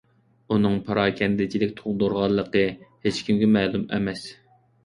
ئۇنىڭ پاراكەندىچىلىك تۇغدۇرغانلىقى ھېچكىمگە مەلۇم ئەمەس.